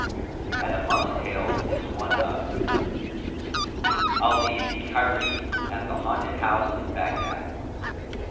'" And amongst tales is one of ALI THE CAIRENE AND THE HAUNTED HOUSE IN BAGHDAD.